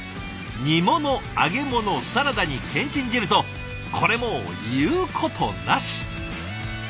煮物揚げ物サラダにけんちん汁とこれもう言うことなし。